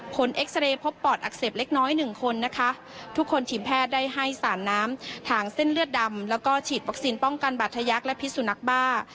เอ็กซาเรย์พบปอดอักเสบเล็กน้อยหนึ่งคนนะคะทุกคนทีมแพทย์ได้ให้สารน้ำทางเส้นเลือดดำแล้วก็ฉีดวัคซีนป้องกันบัตรทะยักษ์และพิสุนักบ้า